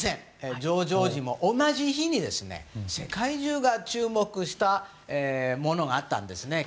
ジョージ王子も同じ日に世界中が注目したものがあったんです。